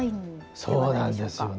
そうなんですよね。